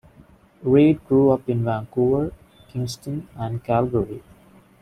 Read grew up in Vancouver, Kingston and Calgary.